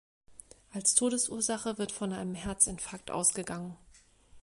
Als Todesursache wird von einem Herzinfarkt ausgegangen.